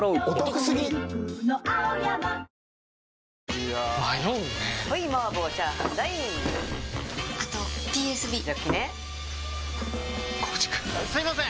すいません！